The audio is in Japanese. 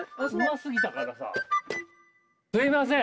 すみません。